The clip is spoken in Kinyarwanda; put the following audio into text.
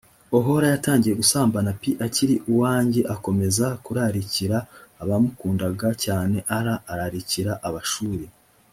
ohola yatangiye gusambana p akiri uwanjye akomeza kurarikira abamukundaga cyane r ararikira abashuri